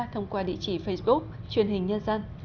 thông qua địa chỉ facebook truyền hình nhân dân